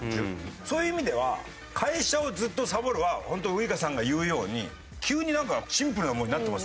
そういう意味では「会社をずっとさぼる」は本当ウイカさんが言うように急になんかシンプルなものになってますよね。